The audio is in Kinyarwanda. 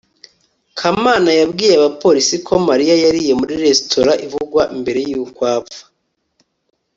kamana yabwiye abapolisi ko mariya yariye muri resitora ivugwa mbere yuko apfa